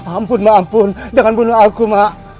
ampun ma ampun jangan bunuh aku ma